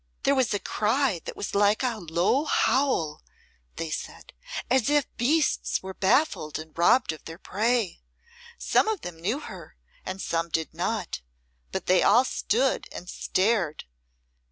"There was a cry that was like a low howl," they said, "as if beasts were baffled and robbed of their prey. Some of them knew her and some did not, but they all stood and stared.